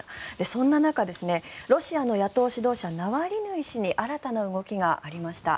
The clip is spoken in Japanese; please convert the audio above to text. そんな中ロシアの野党指導者ナワリヌイ氏に新たな動きがありました。